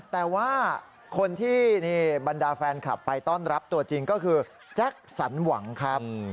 แต่ว่าคนที่บรรดาแฟนคลับไปต้อนรับตัวจริงก็คือแจ็คสันหวังครับ